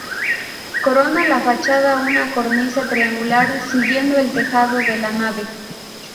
Corona la fachada una cornisa triangular siguiendo el tejado de la nave.